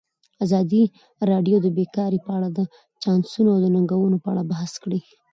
ازادي راډیو د بیکاري په اړه د چانسونو او ننګونو په اړه بحث کړی.